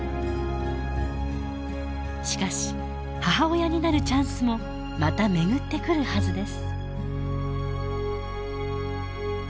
しかし母親になるチャンスもまた巡ってくるはずです。